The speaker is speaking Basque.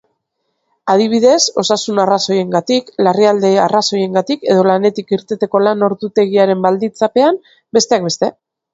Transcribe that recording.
Adibidez, osasun-arrazoiengatik, larrialdi-arrazoiengatik edo lanetik irteteko lan-ordutegiaren baldintzapean, besteak beste.